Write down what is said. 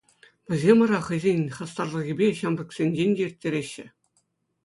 Вӗсем ара хӑйсен хастарлӑхӗпе ҫамрӑксенчен те ирттереҫҫӗ.